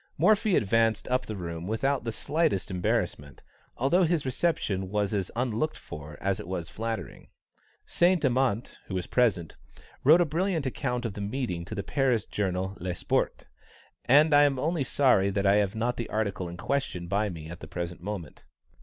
Morphy advanced up the room without the slightest embarrassment, although his reception was as unlooked for as it was flattering. Saint Amant, who was present, wrote a brilliant account of the meeting to the Paris journal Le Sport, and I am only sorry that I have not the article in question by me at the present moment.